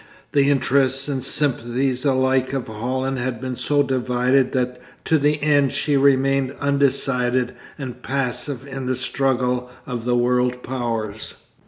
The interests and sympathies alike of Holland had been so divided that to the end she remained undecided and passive in the struggle of the world powers.